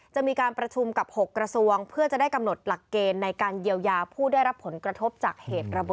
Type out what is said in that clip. จะมีการประชุมกับ๖กระทรวงเพื่อจะได้กำหนดหลักเกณฑ์ในการเยียวยาผู้ได้รับผลกระทบจากเหตุระเบิ